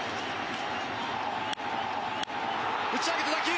打ち上げた打球。